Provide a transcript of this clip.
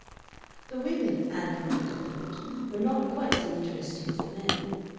The women, Ann Veronica thought, were not quite so interesting as the men.